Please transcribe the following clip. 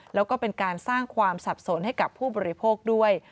แล้วก็เป็นการสร้างความสับสนให้กับผู้บริโภคด้วย